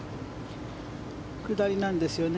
下りなんですよね。